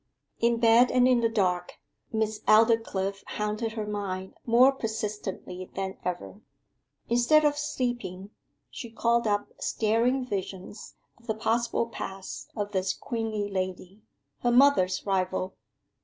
In bed and in the dark, Miss Aldclyffe haunted her mind more persistently than ever. Instead of sleeping, she called up staring visions of the possible past of this queenly lady, her mother's rival.